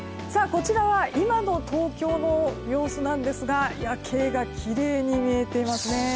こちらは今の東京の様子なんですが夜景がきれいに見えていますね。